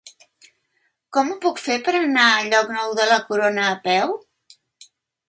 Com ho puc fer per anar a Llocnou de la Corona a peu?